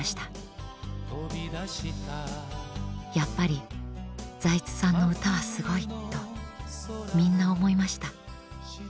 やっぱり財津さんの歌はすごいとみんな思いました。